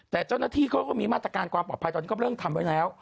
แต่เจ้าหน้าที่ก็มีมาตรการปลอดภัยแล้วก็เริ่มทำไว้แล้ว